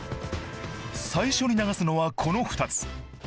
最初に流すのはこの２つ。